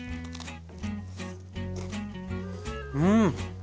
うん！